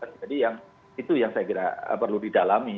jadi yang itu yang saya kira perlu didalami